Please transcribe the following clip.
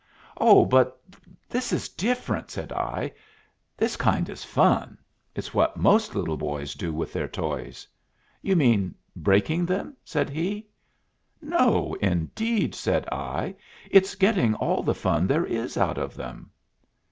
"Oh, but this is different," said I. "This kind is fun it's what most little boys do with their toys." "You mean breaking them?" said he. "No, indeed," said I. "It's getting all the fun there is out of them."